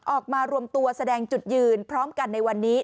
ออกมารวมตัวแสดงจุดยืนพร้อมกันในวันนี้